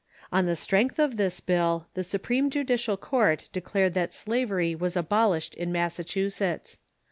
On the strength of this liill, the Supreme Judicial Court declared that slavery was abolished in Massa chusetts.